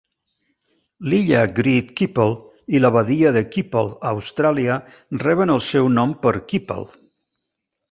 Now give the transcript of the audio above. L'illa Great Keppel i la badia de Keppel a Austràlia reben el seu nom per Keppel.